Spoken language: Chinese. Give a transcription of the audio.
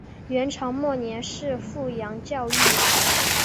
元朝末年是富阳教谕。